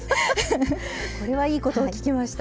これはいいことを聞きました。